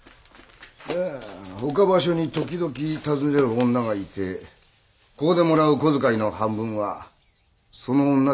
岡場所に時々訪ねる女がいてここでもらう小遣いの半分はその女で消えているようだが。